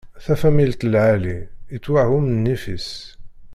Tafamilt lɛali, ittwaɣumm nnif-is.